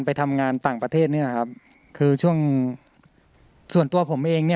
ไปทำงานต่างประเทศนี่แหละครับคือช่วงส่วนตัวผมเองเนี่ย